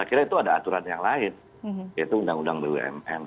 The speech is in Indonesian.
saya kira itu ada aturan yang lain yaitu undang undang bumn